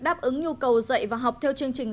đáp ứng nhu cầu dạy và học theo chương trình